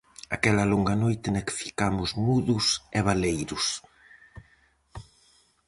Aquela longa noite na que ficamos mudos e baleiros.